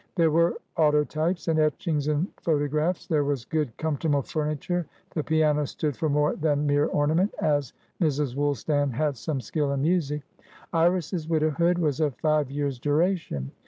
There were autotypes and etchings and photographs; there was good, comfortable furniture; the piano stood for more than mere ornament, as Mrs. Woolstan had some skill in music. Iris's widowhood was of five years' duration.